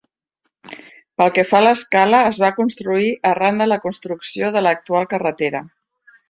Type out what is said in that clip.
Pel que fa a l'escala, es va construir arran de la construcció de l'actual carretera.